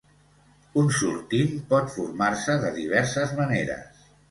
Un sortint pot formar-se de diverses maneres.